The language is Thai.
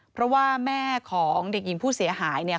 เพราะว่าแม่ของเด็กหญิงผู้เสียหายเนี่ย